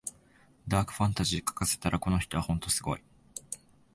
ダークファンタジー書かせたらこの人はほんとすごい